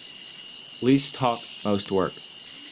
Least talk most work.